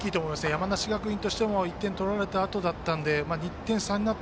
山梨学院としても１点を取られたあとだったので１点差になった